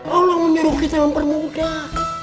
allah menyuruh kita mempermudah